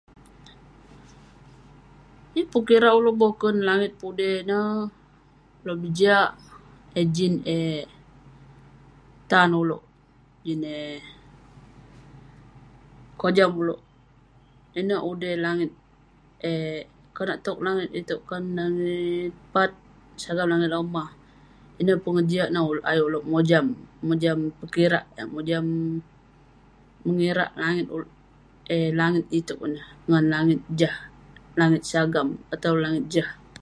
Yeng pun kirak ulouk boken. langit ituek dey ineh lobih jiak eh Jin eh tan ulouk, Jin eh kojam ulouk ineh. udey langit eh konak tong langit ituek Jin langit Pat sagam langit lomah ineh pegejiak neh ngan ulouk ayuk oleuk mojam. mojam pekirak eh mojam ngirak langit ulouk eh langit ituek pun neh ngan langit Jah langit sagam atau langit Jah